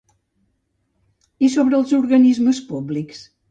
I sobre els organismes públics?